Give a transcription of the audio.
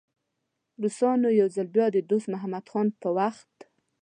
روسانو یو ځل د دوست محمد خان په وخت.